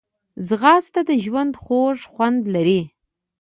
ځغاسته د ژوند خوږ خوند لري